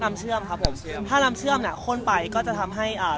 เชื่อมครับผมเชื่อมถ้านำเชื่อมเนี้ยข้นไปก็จะทำให้อ่า